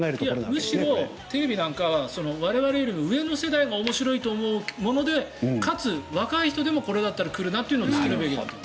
むしろテレビなんかは我々より上の世代が面白いと思うものでかつ若者でもこれなら来るなというのを作るべき。